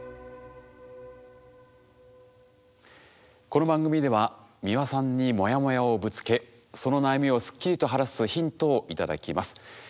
この番組では美輪さんにモヤモヤをぶつけその悩みをすっきりと晴らすヒントを頂きます。